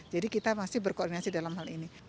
jadi kita masih berkoordinasi dalam hal ini